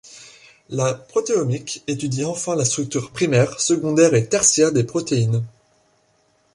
La protéomique étudie enfin la structure primaire, secondaire et tertiaire des protéines.